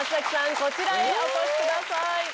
こちらへお越しください。